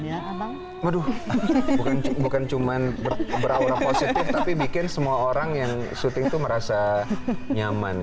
ya abang waduh bukan cuman beraurang positif tapi bikin semua orang yang syuting itu merasa nyaman